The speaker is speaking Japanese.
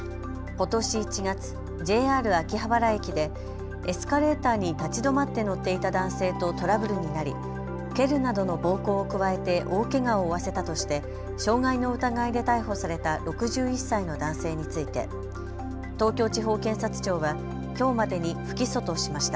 ことし１月、ＪＲ秋葉原駅でエスカレーターに立ち止まって乗っていた男性とトラブルになり蹴るなどの暴行を加えて大けがを負わせたとして傷害の疑いで逮捕された６１歳の男性について東京地方検察庁は、きょうまでに不起訴としました。